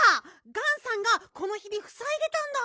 ガンさんがこのひびふさいでたんだ！